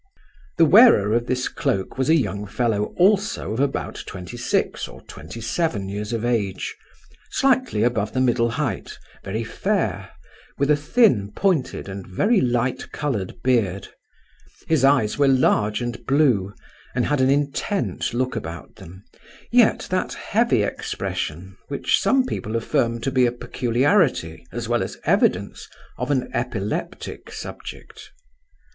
The wearer of this cloak was a young fellow, also of about twenty six or twenty seven years of age, slightly above the middle height, very fair, with a thin, pointed and very light coloured beard; his eyes were large and blue, and had an intent look about them, yet that heavy expression which some people affirm to be a peculiarity as well as evidence, of an epileptic subject.